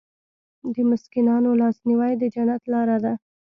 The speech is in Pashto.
د مسکینانو لاسنیوی د جنت لاره ده.